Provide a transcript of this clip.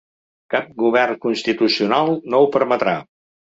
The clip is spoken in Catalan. Cap govern constitucional no ho permetrà.